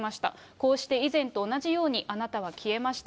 こうして以前と同じようにあなたは消えました。